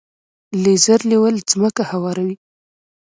لیزر لیول ځمکه هواروي.